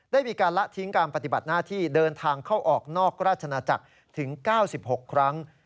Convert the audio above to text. ได้มีการละทิ้งการปฏิบัติหน้าที่เดินทางเข้าออกนอกราชนาจักรถึง๙๖ครั้ง